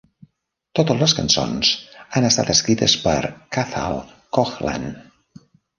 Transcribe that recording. Totes les cançons han estat escrites per Cathal Coughlan.